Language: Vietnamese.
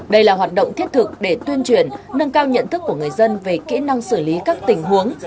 đây là hoạt động thiết thực để tuyên truyền nâng cao nhận thức của người dân về kỹ năng xử lý các tình huống